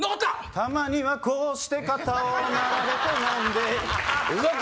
たまにはこうして肩を並べて飲んで動け！